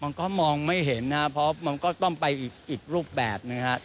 มันก็มองไม่เห็นนะครับเพราะมันก็ต้องไปอีกรูปแบบนะครับ